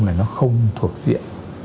là nó không thuộc diện